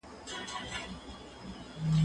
زه پرون کالي ومينځل؟!